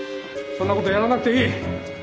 そんなことやらなくていい！